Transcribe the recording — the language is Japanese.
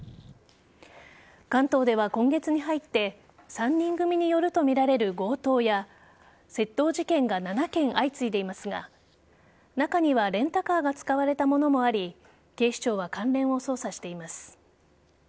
関東では、今月に入って３人組によるとみられる強盗や窃盗事件が７件相次いでいますが中にはレンタカーが使われたものもあり警視庁は関連を捜査しています。